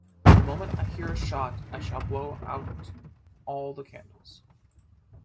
The moment I hear a shot, I shall blow out all the candles.